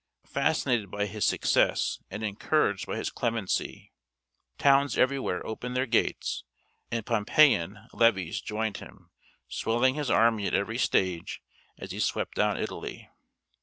Fascinated by his success and encouraged by his clemency, towns everywhere opened their gates and Pompeian levies joined him, swelling his army at every stage as he swept down Italy.